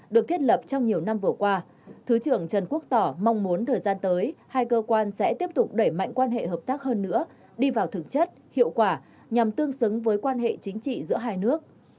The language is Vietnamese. được thiết lập trong nhiều năm vừa qua thứ trưởng trần quốc tỏ mong muốn thời gian tới hai cơ quan sẽ tiếp tục đẩy mạnh quan hệ hợp tác hơn nữa đi vào thực chất hiệu quả nhằm tương xứng với quan hệ chính trị giữa hai nước